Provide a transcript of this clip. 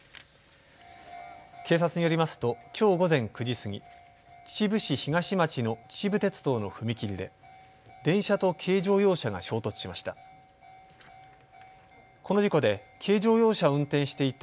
警察によりますときょう午前９時過ぎ、秩父市東町の秩父鉄道の踏切で電車と軽乗用車が衝突しました。